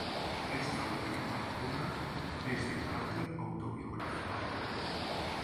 Esta última obra es de carácter autobiográfico.